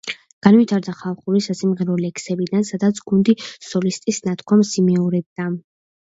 განვითარდა ხალხური სასიმღერო ლექსიდან, სადაც გუნდი სოლისტის ნათქვამს იმეორებდა.